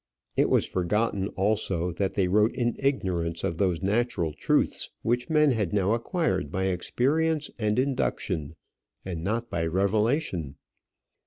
It was forgotten also that they wrote in ignorance of those natural truths which men had now acquired by experience and induction, and not by revelation.